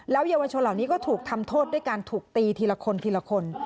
แล้วเยาวชนเหล่านี้ก็ถูกทำโทษด้วยการถูกตีทีละคน